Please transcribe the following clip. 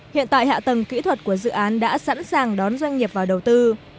hiện tại hạ tầng kỹ thuật của dự án đã sẵn sàng đón doanh nghiệp vào đầu tư